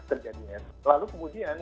terjadinya lalu kemudian